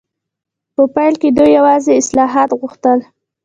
په پیل کې دوی یوازې اصلاحات غوښتل.